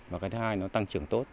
và cái thứ hai nó tăng trưởng tốt